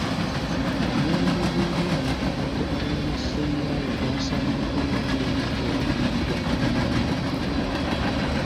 Omulambo gw'omwana abadde abeera ne ssenga we gwasangiddwa nga guleebeetera ku mugwa mu nnyumba.